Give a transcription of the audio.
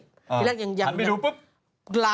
ทีแรกยังยังหันไปดูปุ๊บ